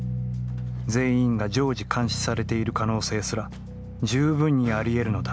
全員が常時監視されている可能性すら、じゅうぶんにありえるのだ。